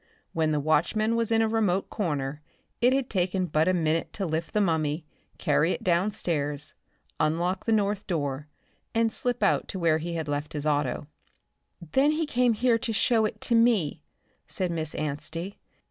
When the watchman was in a remote corner, it had taken but a minute to lift the mummy, carry it downstairs, unlock the north door and slip out to where he had left his auto. "Then he came here to show it to me," said Miss Anstey.